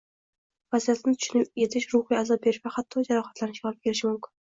vaziyatni tushunib yetish ruhiy azob berishi va hatto jarohatlanishga olib kelishi mumkin